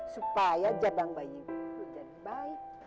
supaya jabang bayi lo jadi baik